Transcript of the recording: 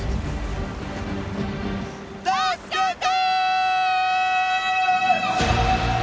助けて！